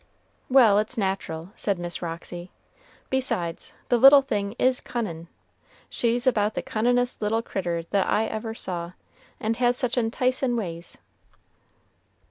"Well, it's natural," said Miss Roxy. "Besides, the little thing is cunnin'; she's about the cunnin'est little crittur that I ever saw, and has such enticin' ways."